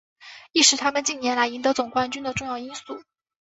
亦是他们近年来赢得总冠军的重要因素。